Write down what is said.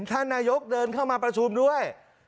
ท่านนายกเดินเข้ามาประชุมด้วย